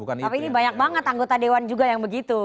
tapi ini banyak banget anggota dewan juga yang begitu